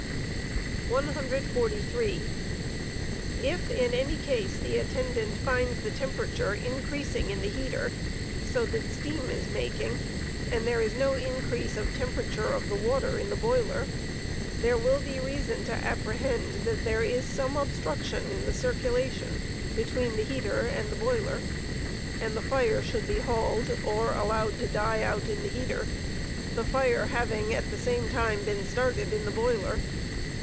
143. If in any case the attendant finds the temperature increasing in the heater, Obstructions, so that steajn is making, and there is no increase of temperature of the water in the boiler, there will be reason to apprehend that there is some obstruction in the circula tion between the heater and the boiler, and the fire should be hauled or allowed to die out in the heater, the fire having at the same time been started in the boiler.